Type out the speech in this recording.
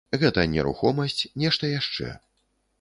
Гэта нерухомасць, нешта яшчэ.